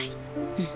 うん。